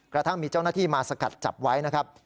กระทั่งมีเจ้าหน้าที่มาสกัดจับไว้นะครับ